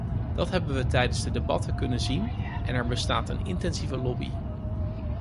Dat hebben we tijdens de debatten kunnen zien en er bestaat een intensieve lobby.